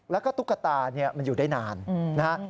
แล้วก็ตุ๊กตามันอยู่ได้นานนะฮะ